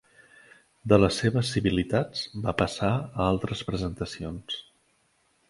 De les seves civilitats, va passar a altres presentacions.